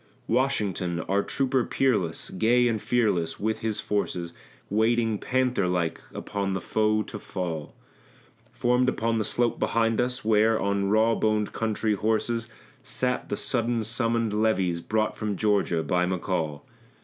Washington, our trooper peerless, gay and fearless, with his forces Waiting panther like upon the foe to fall, Formed upon the slope behind us, where, on raw boned country horses, Sat the sudden summoned levies brought from Georgia by McCall.